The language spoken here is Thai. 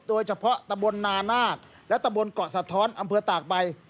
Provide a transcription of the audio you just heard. โดยเฉพาะตะบนนานาศและตะบนเกาะสะท้อนอำเภอตากใบ